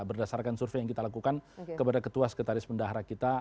berdasarkan survei yang kita lakukan kepada ketua sekretaris pendahara kita